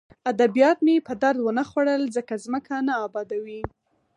ادبیات مې په درد ونه خوړل ځکه ځمکه نه ابادوي